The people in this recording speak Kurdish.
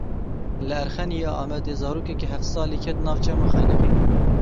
Li Erxeniya Amedê zarokekî heft salî ket nav çem û xeniqî.